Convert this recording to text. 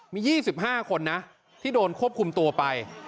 มี๒๕คนนะที่โดนควบคุมตัวไป